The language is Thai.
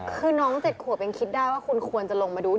คือน้อง๗ขวบยังคิดได้ว่าคุณควรจะลงมาดู